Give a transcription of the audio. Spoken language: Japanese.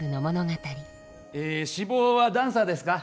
え志望はダンサーですか？